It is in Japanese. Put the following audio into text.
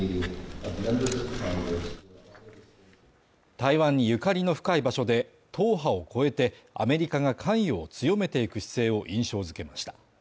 台湾にゆかりの深い場所で、党派を超えて、アメリカが関与を強めていく姿勢を印象付けました。